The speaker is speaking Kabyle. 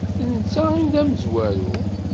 D netta ay d amezwaru.